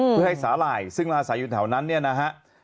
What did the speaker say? เพื่อให้สาหร่ายซึ่งมาอาศัยอยู่แถวนั้นเนี่ยนะฮะ